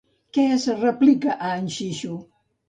Què es replica a en Xixu?